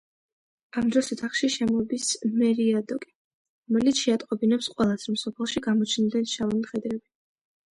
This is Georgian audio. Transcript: ამ დროს ოთახში შემორბის მერიადოკი, რომელიც შეატყობინებს ყველას, რომ სოფელში გამოჩნდნენ შავი მხედრები.